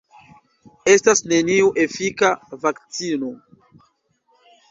Estas neniu efika vakcino.